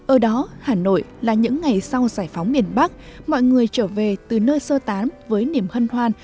ở đó hà nội là những ngày sau giải phóng miền bắc mọi người trở về từ nơi sơ tán với niềm hân hoan